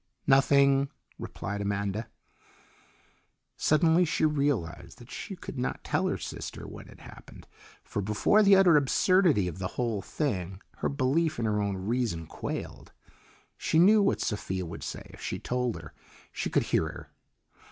"Nothing," replied Amanda. Suddenly she realized that she could not tell her sister what had happened, for before the utter absurdity of the whole thing her belief in her own reason quailed. She knew what Sophia would say if she told her. She could hear her.